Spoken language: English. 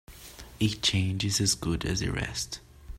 A change is as good as a rest.